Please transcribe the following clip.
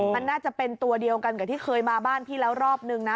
มันน่าจะเป็นตัวเดียวกันกับที่เคยมาบ้านพี่แล้วรอบนึงนะ